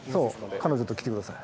「彼女と来て下さい」